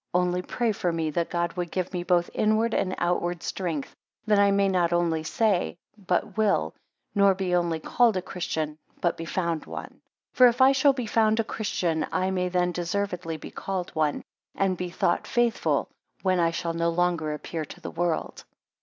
10 Only pray for me, that God would give me both inward and outward strength, that I may not only say, but will; nor be only called a christian, but be found one. 11 For if I shall be found a christian, I may then deservedly be called one; and be thought faithful, when I shall no longer appear to the world.